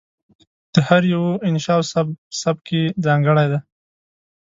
د هر یوه انشأ او سبک یې ځانګړی کړی دی.